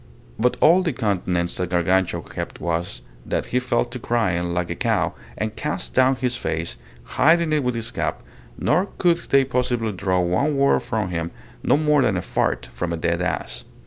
But all the countenance that Gargantua kept was, that he fell to crying like a cow, and cast down his face, hiding it with his cap, nor could they possibly draw one word from him, no more than a fart from a dead ass.